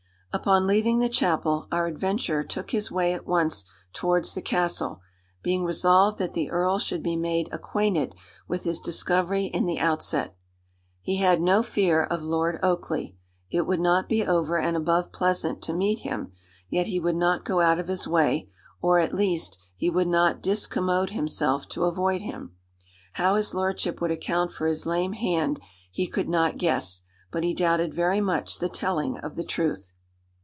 Upon leaving the chapel our adventurer took his way at once towards the castle, being resolved that the earl should be made acquainted with his discovery in the outset. He had no fear of Lord Oakleigh. It would not be over and above pleasant to meet him; yet he would not go out of his way, or, at least, he would not discommode himself to avoid him. How his lordship would account for his lame hand he could not guess; but he doubted very much the telling of the truth.